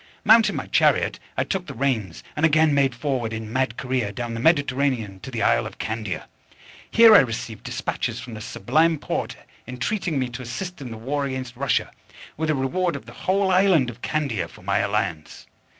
Mounting my chariot, I took the reins, and again made forward, in mad career, down the Mediterranean to the isle of Candia. Here I received despatches from the Sublime Porte, entreating me to assist in the war against Russia, with a reward of the whole island of Candia for my alliance.